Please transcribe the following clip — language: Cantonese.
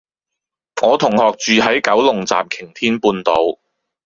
我同學住喺九龍站擎天半島